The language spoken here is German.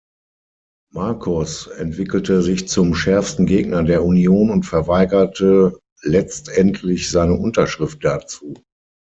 Markos entwickelte sich zum schärfsten Gegner der Union und verweigerte letztendlich seine Unterschrift dazu.